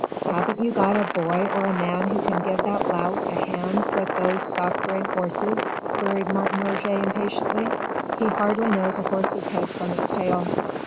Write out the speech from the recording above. "Haven't you got a boy or a man who can give that lout a hand with those sacré horses?" queried Martin Roget impatiently. "He hardly knows a horse's head from its tail."